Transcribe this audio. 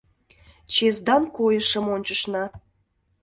Чесдан койышым ончышна.